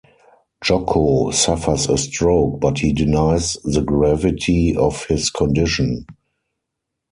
Jocko suffers a stroke, but he denies the gravity of his condition.